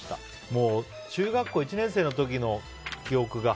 もう中学校１年生の時の記憶が。